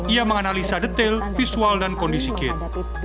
ia menganalisa detail visual dan kondisi gate